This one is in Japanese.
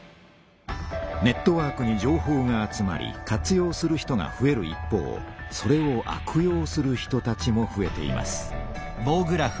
ネットワークに情報が集まり活用する人がふえる一方それを悪用する人たちもふえています。